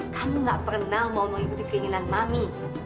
kamu gak pernah mau mengikuti keinginan mami